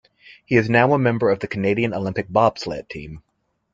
He is now a member of the Canadian Olympic Bobsled Team.